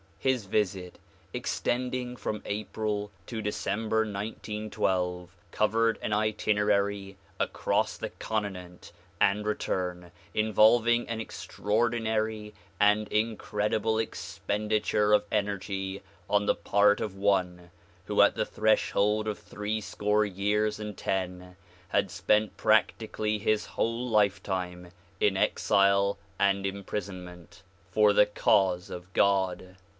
His visit extending from April to December 1912 covered an itinerary across the continent and return, involving an extraordinary and incredible expenditure of energy on the part of one who at the threshold of three score years and ten had spent practically his whole lifetime in exile and imprisonment for the cause of God.